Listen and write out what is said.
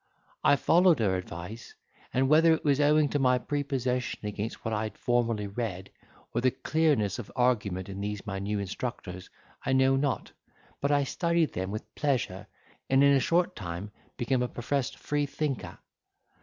I followed her advice; and whether it was owing to my prepossession against what I had formerly read, or the clearness of argument in these my new instructors, I know not; but I studied them with pleasure, and in a short time became a professed freethinker.